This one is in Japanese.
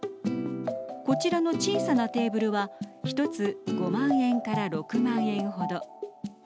こちらの小さなテーブルは１つ５万円から６万円ほど。